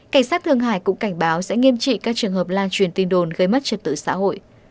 cảnh sát thường hải cũng cảnh báo sẽ nghiêm trị các trường hợp lan truyền tin đồn gây mất trật tự xã hội